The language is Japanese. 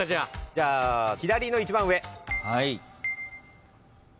じゃあ左の一番上。